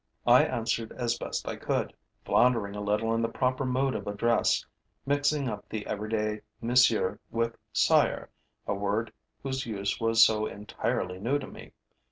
I answered as best I could, floundering a little in the proper mode of address, mixing up the everyday monsieur with sire, a word whose use was so entirely new to me.